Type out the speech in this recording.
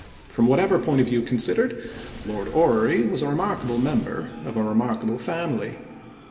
From whatever point of view considered, Lord Orrery was a remarkable member of a remarkable family.